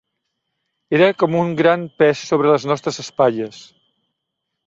Era com un gran pes sobre les nostres espatlles.